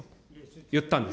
言ったんです。